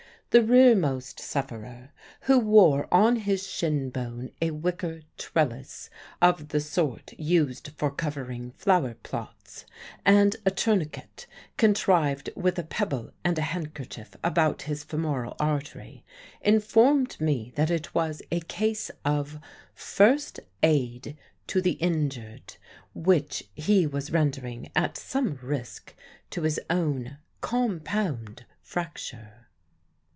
The rearmost sufferer who wore on his shin bone a wicker trellis of the sort used for covering flower plots, and a tourniquet, contrived with a pebble and a handkerchief, about his femoral artery informed me that it was a case of First Aid to the Injured, which he was rendering at some risk to his own (compound) fracture.